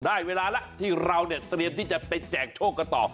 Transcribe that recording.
ได้เวลาแล้วที่เราเนี่ยเตรียมที่จะไปแจกโชคกันต่อ